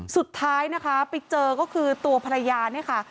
สุดท้ายนะคะไปเจอก็คือตัวภรรยาเนี่ยค่ะ